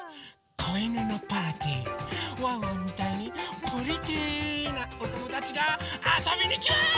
こいぬのパーティーワンワンみたいにプリティーなおともだちがあそびにきます！